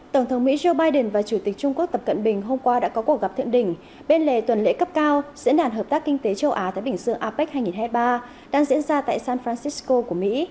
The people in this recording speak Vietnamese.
tổng thống mỹ joe biden và chủ tịch trung quốc tập cận bình hôm qua đã có cuộc gặp thiện đỉnh bên lề tuần lễ cấp cao diễn đàn hợp tác kinh tế châu á thái bình dương apec hai nghìn hai mươi ba đang diễn ra tại san francisco của mỹ